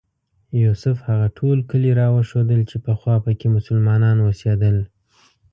یوسف هغه ټول کلي راوښودل چې پخوا په کې مسلمانان اوسېدل.